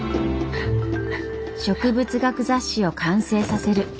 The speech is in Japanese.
植物学雑誌を完成させる。